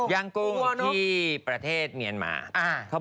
บอลไปมาแล้ว